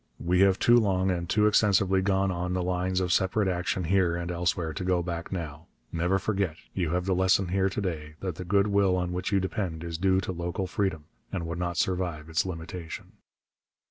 We have too long and too extensively gone on the lines of separate action here and elsewhere to go back now. Never forget you have the lesson here to day that the good will on which you depend is due to local freedom, and would not survive its limitation.